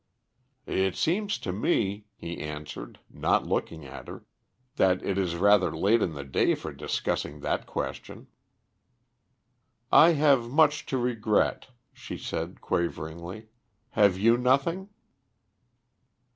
"It seems to me," he answered, not looking at her, "that it is rather late in the day for discussing that question." "I have much to regret," she said quaveringly. "Have you nothing?"